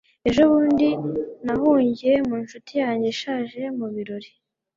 Ejo bundi nahungiye mu nshuti yanjye ishaje mu birori